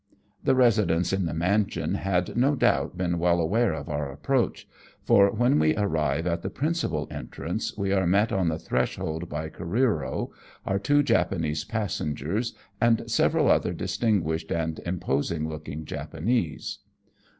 The residents in the mansion had no douht been well aware of our approach, for when we arrive at the principal entrance we are met on the threshold by Careero, our two Japanese passengers, and several other distinguished and imposing looking Japanese.